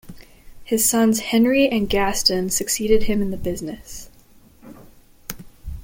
His sons Henri and Gaston succeeded him in the business.